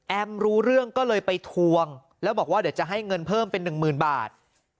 รู้เรื่องก็เลยไปทวงแล้วบอกว่าเดี๋ยวจะให้เงินเพิ่มเป็นหนึ่งหมื่นบาท